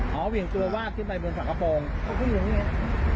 เหวี่ยงตัววาดขึ้นไปบนฝั่งกระโปรงเขาขึ้นอยู่อยู่เนี้ย